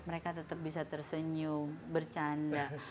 mereka tetap bisa tersenyum bercanda